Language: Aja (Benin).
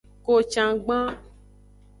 Kocangban.